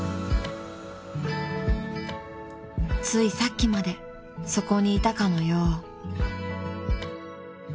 ［ついさっきまでそこにいたかのよう］